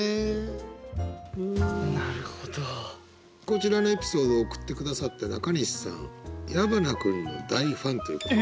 こちらのエピソードを送って下さった中西さん矢花君の大ファンということで。